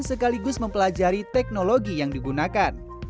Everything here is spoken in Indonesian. sekaligus mempelajari teknologi yang digunakan